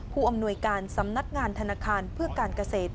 ผู้อำนวยการสำนักงานธนาคารเพื่อการเกษตร